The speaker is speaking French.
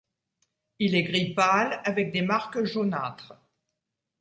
Il est gris pâle avec des marques jaunâtres.